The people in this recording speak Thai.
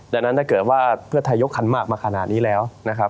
ดังนั้นถ้าเกิดว่าเพื่อไทยยกคันมากมาขนาดนี้แล้วนะครับ